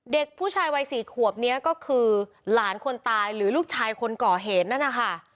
เด็กผู้ชายวัยสี่ขวบนี้ก็คือหลานคนตายหรือลูกชายคนก่อเหตุนั่นนะคะ